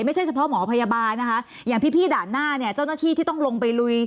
เฉพาะหมอพยาบาลนะคะอย่างพี่ด่านหน้าเนี่ยเจ้าหน้าที่ที่ต้องลงไปลุย